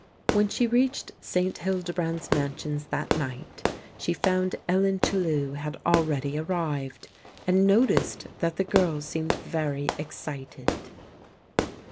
When she reached St. Hildebrand's Mansions that night she found Ellen Chellew had already arrived, and noticed that the girl seemed very excited.